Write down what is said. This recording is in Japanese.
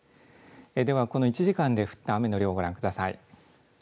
ではこの１時間で降った雨の量をご覧ください。